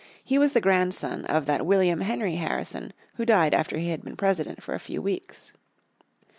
He was the grandson of that William Henry Harrison who died after he had been President for a few weeks.